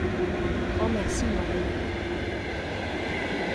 Grand merci, moi de même.